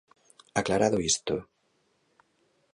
Aclarado isto.